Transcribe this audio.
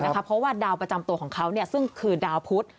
เพราะว่าดาวประจำตัวของเขาซึ่งคือดาวพุทธ